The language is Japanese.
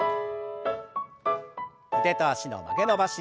腕と脚の曲げ伸ばし。